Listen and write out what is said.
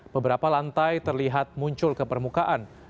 beberapa lantai terlihat muncul ke permukaan